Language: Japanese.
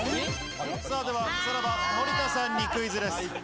では、さらば・森田さんにクイズです。